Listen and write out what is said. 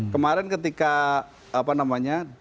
kemarin ketika apa namanya